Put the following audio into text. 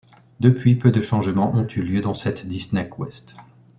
Depuis peu de changements ont eu lieu dans cette DisneyQuest.